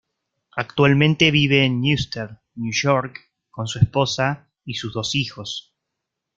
Actualmente vive en Brewster, New York, con su esposa y sus dos hijos.